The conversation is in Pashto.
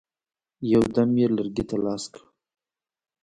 یو دم یې لرګي ته لاس کړ.